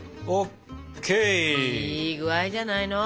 いい具合じゃないの？